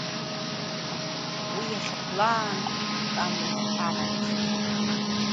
Уи иахьахәлаанӡа тәамҩахә амамызт.